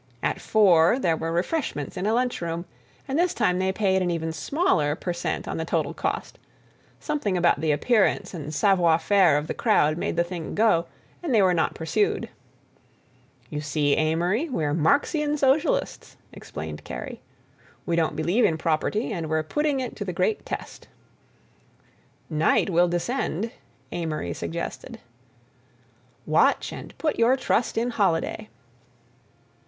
At four there were refreshments in a lunch room, and this time they paid an even smaller per cent on the total cost; something about the appearance and savoir faire of the crowd made the thing go, and they were not pursued. "You see, Amory, we're Marxian Socialists," explained Kerry. "We don't believe in property and we're putting it to the great test." "Night will descend," Amory suggested. "Watch, and put your trust in Holiday."